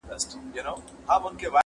غوا ئې و غيه، چي غړکه ئې مرداره سي.